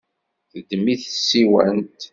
Teddem-it tsiwant.